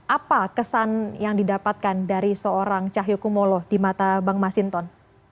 apa kesan yang didapatkan dari seorang cahyokumolo di mata bang masinton